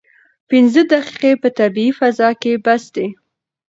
پنځه دقیقې په طبیعي فضا کې بس دي.